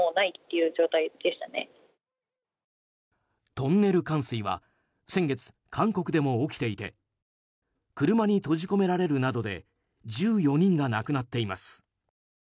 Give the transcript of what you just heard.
トンネル冠水は先月、韓国でも起きていて車に閉じ込められるなどで１４人が亡くなっています。